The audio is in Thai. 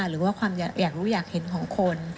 หรือว่าความอยากรู้อยากเห็นของคน